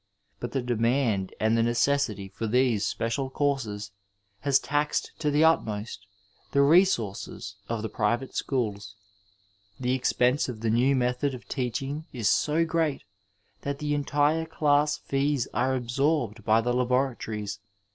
But the demand and the necessity for these special courses has taxed to the utmost the zesouroes of the private schools. The eqpense of the new method of teaching is so great that the entire dass fees aze absorbed by the laboratories.